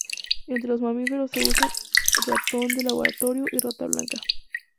Entre los mamíferos se usan ratón de laboratorio y rata blanca.